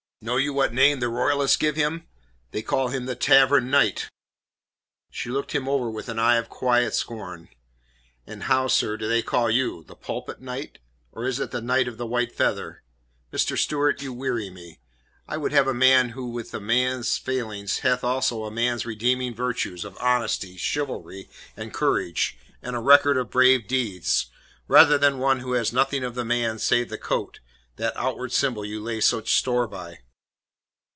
Know you what name the Royalists give him? They call him the Tavern Knight." She looked him over with an eye of quiet scorn. "And how, sir, do they call you? The pulpit knight? Or is it the knight of the white feather? Mr. Stewart, you weary me. I would have a man who with a man's failings hath also a man's redeeming virtues of honesty, chivalry, and courage, and a record of brave deeds, rather than one who has nothing of the man save the coat that outward symbol you lay such store by."